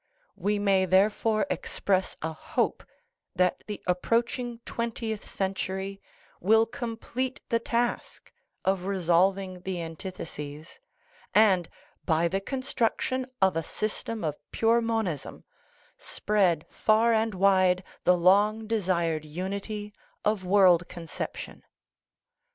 We may, therefore, express a hope that the approaching twentieth century will complete the task of resolving the antitheses, and, by the construction of a system of pure monism, spread far and wide the long desired unity of world conception.